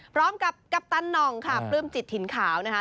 พร้อมกับกัปตันนองค่ะปลื้มจิตถิ่นขาวนะฮะ